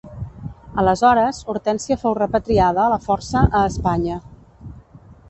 Aleshores Hortènsia fou repatriada a la força a Espanya.